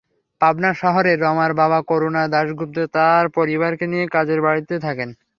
পাবনা শহরে রমার বাবা করুণাময় দাশগুপ্ত তাঁর পরিবার নিয়ে নিজের বাড়িতে থাকতেন।